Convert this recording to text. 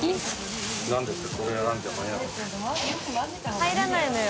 入らないのよ